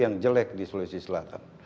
yang jelek di sulawesi selatan